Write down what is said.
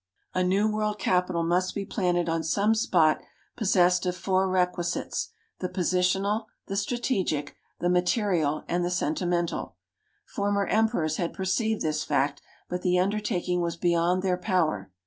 A new world capital must be planted on some spot possessed of four requisites : the positional, the strategic, the material, and the sentimental. Former emperors had perceived this fact, but the undertaking was beyond their power.